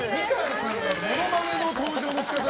ものまねの登場の仕方。